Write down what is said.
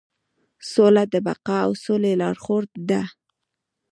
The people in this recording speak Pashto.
سوله د بقا او سولې لارښود ده.